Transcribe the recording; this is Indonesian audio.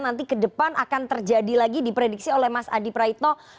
nanti ke depan akan terjadi lagi diprediksi oleh mas adi praitno